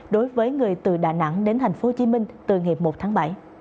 đối với người từ đà nẵng đến tp hcm từ ngày một tháng bảy